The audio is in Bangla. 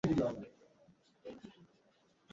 আজ তোকে মেরেই ফেলব!